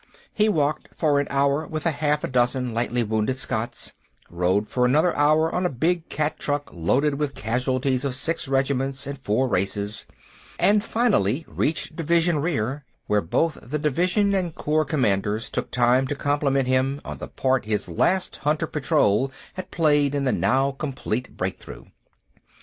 He walked for an hour with half a dozen lightly wounded Scots, rode for another hour on a big cat truck loaded with casualties of six regiments and four races, and finally reached Division Rear, where both the Division and Corps commanders took time to compliment him on the part his last hunter patrol had played in the now complete breakthrough.